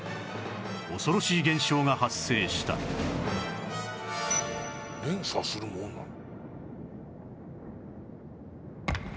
恐ろしい現象が発生した連鎖するものなの？